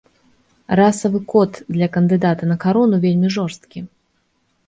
Расавы код для кандыдата на карону вельмі жорсткі.